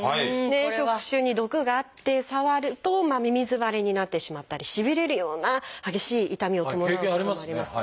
触手に毒があって触るとみみず腫れになってしまったりしびれるような激しい痛みを伴うこともあります。